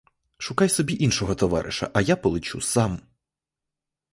Шукай собі іншого товариша, а я полечу сам!